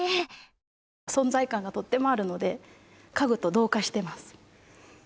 存在感がとってもあるので家具と同化してます。